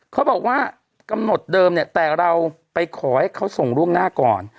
เขาบอกว่ากำหนดเดิมเนี่ยแต่เราไปขอให้เขาส่งล่วงหน้าก่อน